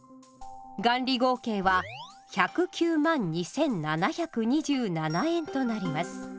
元利合計は１０９万２，７２７円となります。